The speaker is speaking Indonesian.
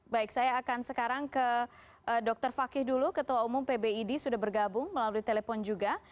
baik saya akan sekarang ke dr fakih dulu ketua umum pbid sudah bergabung melalui telepon juga